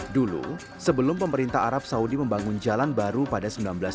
dulu sebelum pemerintah arab saudi membangun jalan baru pada seribu sembilan ratus sembilan puluh